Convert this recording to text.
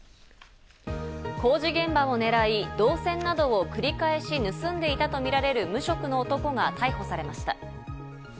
工事現場を狙い、銅線などを繰り返し盗んでいたとみられる無職の男が逮捕されました。